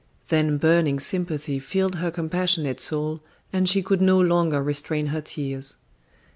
Then burning sympathy filled her compassionate soul, and she could no longer restrain her tears.